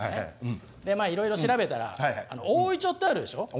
でいろいろ調べたら大いちょうってあるでしょ？